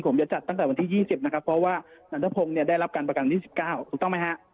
ผมจะจัดตั้งแต่วันที่๒๐นะครับเพราะว่านันทพงศ์เนี่ยได้รับการประกัน๒๙ถูกต้องไหมฮะ